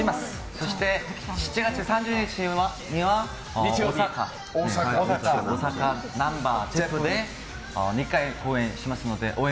そして、７月３０日には大阪、なんばＺｅｐｐで２回公演しますので応援